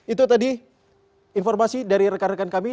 itu tadi informasi dari rekan rekan kami